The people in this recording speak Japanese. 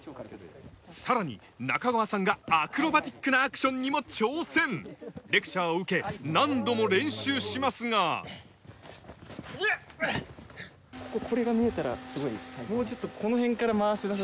・さらに中川さんがアクロバティックなアクションにも挑戦レクチャーを受け何度も練習しますがもうちょっとこの辺から回しだす。